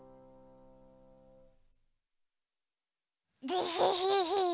デヘヘヘ！